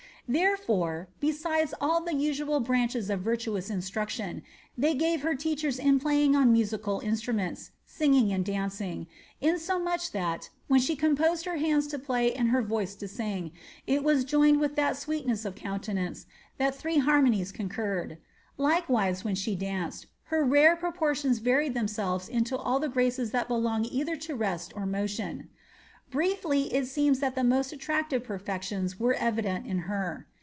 Therefore, besides all the usual branches of virtuous instruction, they |iTe her teachers in playing on musical instruments, singing, and dancing, insomuch that, when she composed her hands to play and her voice to ting, it was joined with that sweetness of countenance that three har monies concurred ; likewise, when she danced, her rare proportions Tided themselves into all the graces that belong either to rest or motion. Briefly, it seems that the most attractive perfections were evident in her.